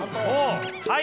はい。